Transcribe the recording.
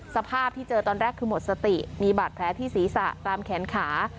สภาพที่เจอตอนแรกคือหมดสติมีบาดแผลที่ศีรษะตามแขนขา